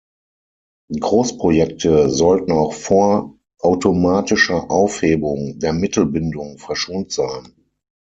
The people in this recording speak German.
Großprojekte sollten auch vor automatischer -Aufhebung der Mittelbindung verschont sein.